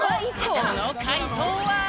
この快答は？